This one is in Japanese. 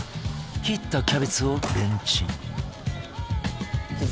切ったキャベツをレンチン